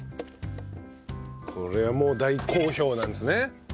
これはもう大好評なんですね？